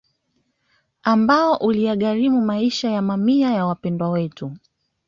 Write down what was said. Ambao uliyagharimu maisha ya mamia ya Wapendwa Wetu